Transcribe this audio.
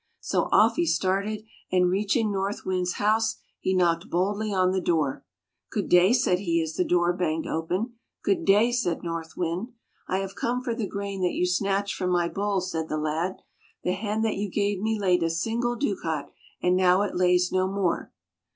So off he started, and reaching North Wind's house he knocked boldly on the door. " Good day !" said he, as the door banged open. "'Good day!^^ said North Wind. " I have come for the grain that you snatched from my bowl," said the lad. " The hen that you gave me laid a single ducat, and now it lays no more."